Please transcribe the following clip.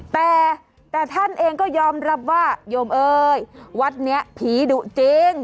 แต่แต่ท่านเองก็ยอมรับว่าโยมเอ้ยวัดนี้ผีดุจริง